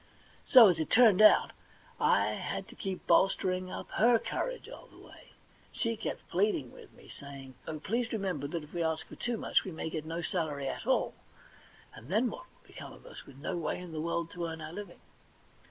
So, as it turned out, I had to keep bolstering up her courage all the way. She kept pleading with me, and saymg :* Oh, please remember that if we ask for too much we may get no salary at all ; and then what will become of us, with no way in the world to earn our living